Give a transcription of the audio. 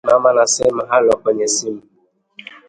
Mama anasema hallo kwenye simu